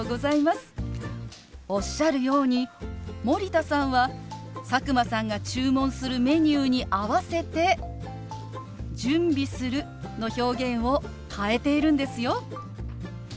おっしゃるように森田さんは佐久間さんが注文するメニューに合わせて「準備する」の表現を変えているんですよ。